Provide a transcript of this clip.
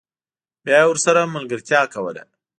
بیا یې ورسره ملګرتیا کوله